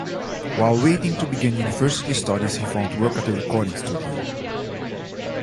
While waiting to begin university studies he found work at a recording studio.